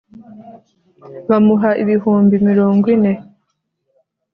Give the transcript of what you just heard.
bamuha ibihumbi mirongo ine